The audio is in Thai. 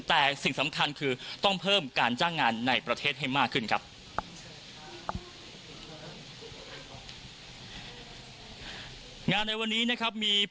แต่สิ่งสำคัญคือต้องเพิ่มการจ้างงานในประเทศให้มากขึ้นครับ